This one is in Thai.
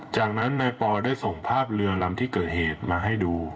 จากนั้นนายปอได้ส่งภาพเรือลำที่เกิดเหตุมาให้ดู